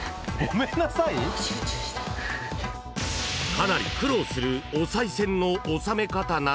［かなり苦労するおさい銭の納め方なのですが